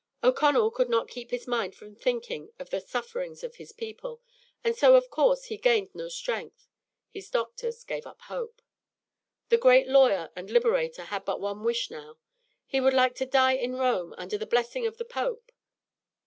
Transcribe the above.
O'Connell could not keep his mind from thinking of the sufferings of his people, and so, of course, he gained no strength. His doctors gave up hope. The great lawyer and Liberator had but one wish now. He would like to die in Rome under the blessing of the Pope.